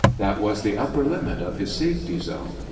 That was the upper limit of his safety zone.